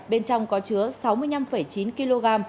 bên trong có chứa sáu mươi năm chín kg